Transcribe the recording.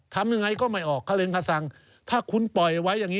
ทำยังไงก็ไม่ออกคระเรนป์คาซัง